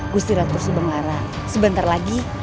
gusti ratus bumara sebentar lagi